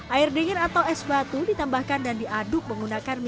air dingin atau es batu ditambahkan dan diaduk menggunakan